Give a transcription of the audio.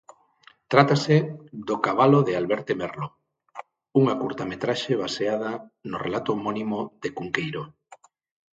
Trátase d'O cabalo de Alberte Merlo, unha curtametraxe baseada no relato homónimo de Cunqueiro.